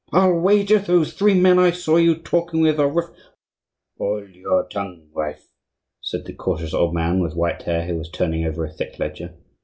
"I'll wager those three men I saw you talking with are Ref—" "Hold your tongue, wife!" said the cautious old man with white hair who was turning over a thick ledger.